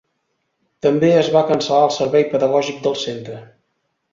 També es va cancel·lar el servei pedagògic del centre.